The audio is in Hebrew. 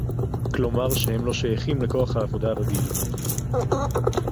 כלומר שהם לא שייכים לכוח העבודה הרגיל